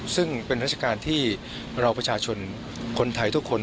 ซึ่งเป็นราชการที่เราประชาชนคนไทยทุกคน